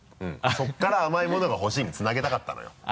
そこから甘いものがほしいにつなげたかったのよ。